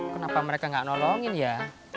kenapa mereka nggak nolongin ya